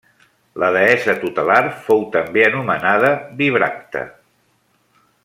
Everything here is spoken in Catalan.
La deessa tutelar fou també anomenada Bibracte.